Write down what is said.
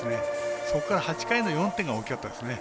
そこから８回の４点が大きかったですね。